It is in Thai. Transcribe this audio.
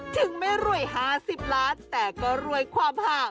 ถึงไม่รวย๕๐ล้านแต่ก็รวยความหา